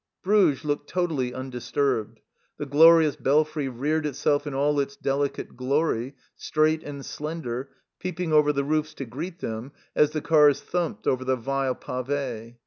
Bruges looked totally undisturbed. The glorious belfry reared itself in all its delicate glory, straight and slender, peeping over the roofs to greet them as the cars thumped over the vile pave.